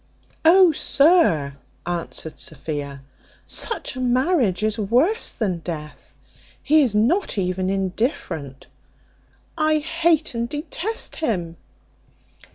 "Oh! sir," answered Sophia, "such a marriage is worse than death. He is not even indifferent; I hate and detest him."